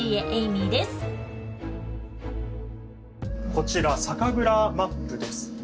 こちら酒蔵マップです。